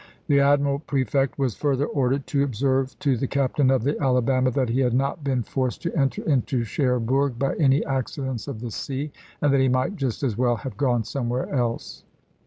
The admiral prefect was further ordered to observe to the captain of the Alabama that he had not been forced to enter into Cherbourg by any accidents of the sea, and that he might just as well have gone somewhere else.